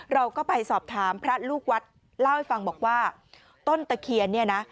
เราก็ไปสอบถามพระลูกวัดเล่าให้ฟังบอกว่าต้นตะเคียนเนี่ยนะ